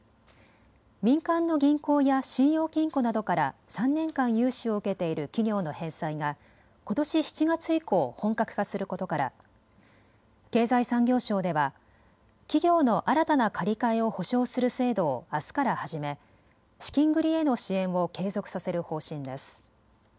民間の銀行や信用金庫などから３年間、融資を受けている企業の返済がことし７月以降、本格化することから経済産業省では企業の新たな借り換えを保証する制度をあすから始め資金繰りへの支援を継続させる方針です。